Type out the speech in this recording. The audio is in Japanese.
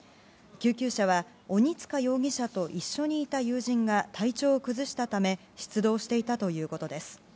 救急車は鬼束容疑者と一緒にいた友人が体調を崩したため出動していたということです。